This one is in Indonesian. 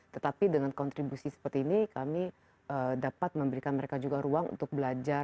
tetapi dengan kontribusi seperti ini kami dapat memberikan mereka juga ruang untuk belajar